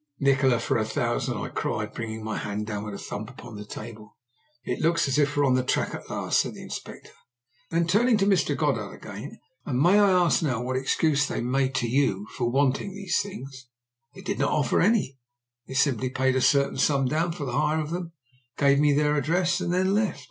"Nikola, for a thousand!" I cried, bringing my hand down with a thump upon the table. "It looks as if we're on the track at last," said the Inspector. Then, turning to Mr. Goddard again: "And may I ask now what excuse they made to you for wanting these things!" "They did not offer any; they simply paid a certain sum down for the hire of them, gave me their address, and then left."